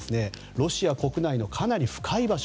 ロシア国内のかなり深い場所